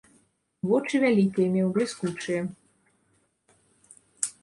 Вочы вялікія меў, бліскучыя.